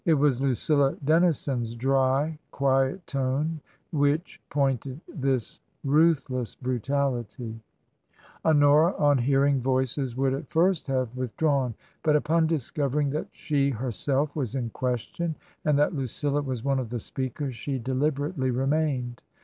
It was Lucilla Dennison's dry, quiet tone which pointed this ruthless brutality. TRANSITION. 75 Honora, on hearing voices, would at first have with drawn. But upon discovering that she herself was in question, and that Lucilla was one of the speakers, she deliberately remained.